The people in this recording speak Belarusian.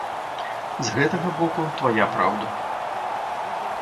З гэтага боку твая праўда.